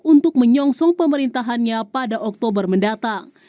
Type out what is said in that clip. untuk menyongsong pemerintahannya pada oktober mendatang